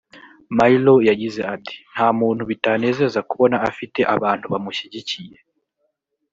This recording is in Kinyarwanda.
Maylo yagize ati “ Nta muntu bitanezeza kubona afite abantu bamushyigikiye